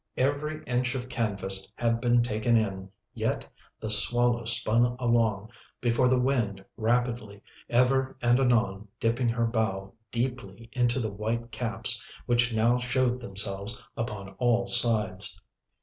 Every inch of canvas had been taken in, yet the Swallow spun along before the wind rapidly, ever and anon dipping her bow deeply into the white caps, which now showed themselves upon all sides.